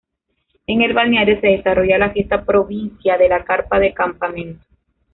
En el balneario se desarrolla la Fiesta Provincia de la Carpa de Campamento.